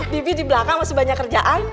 bibi di belakang masih banyak kerjaan